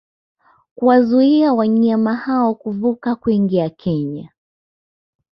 kuwazuia wanyama hao kuvuka kuingia Kenya